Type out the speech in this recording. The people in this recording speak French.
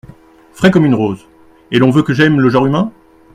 Frais comme une rose !… et l’on veut que j’aime le genre humain !